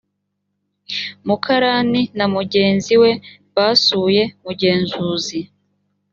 mukarani na mugenzi basuye mugenzuzi